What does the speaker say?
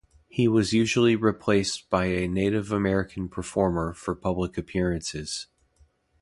He was usually replaced by a Native American performer for public appearances.